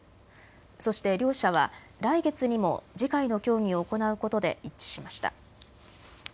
そして両者は来月にも次回の協議を行うことで一致しました。